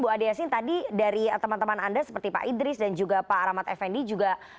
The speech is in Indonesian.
bu ade yasin tadi dari teman teman anda seperti pak idris dan juga pak rahmat effendi juga